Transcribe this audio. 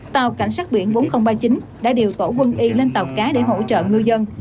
tàu cảnh sát biển bốn nghìn ba mươi chín đã điều tổ quân y lên tàu cá để hỗ trợ ngư dân